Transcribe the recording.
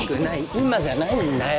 今じゃないんだよ